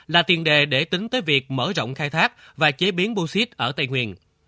là tiền đề để tính tới việc mở rộng khai thác và chế biến bô xít ở tây nguyên